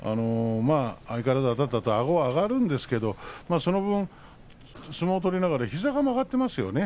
相変わらずあたって、あごが上がるんですがその分相撲を取りながら膝が曲がっていますよね。